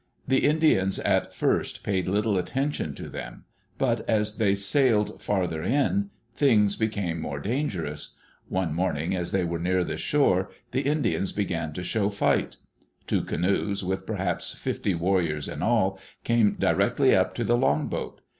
The Indians at first paid little attention to them, but as they sailed farther in things became more dangerous. One morning, as they were near the shore, the Indians began to show fight. Two canoes, with per haps fifty warriors in all, came directly up to the long boat.